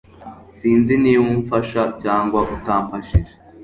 Sinzi niba umfasha cyangwa utamfashije